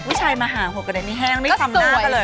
ผู้ชายมาหาหัวกระเด็นนี้แห้งไม่ทำหน้ากันเลย